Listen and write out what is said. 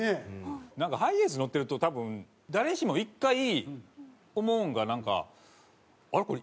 なんかハイエース乗ってると多分誰しも１回思うのがなんかあれ？